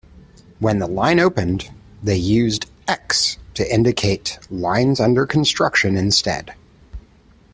When the line opened, they used X to indicate lines under construction instead.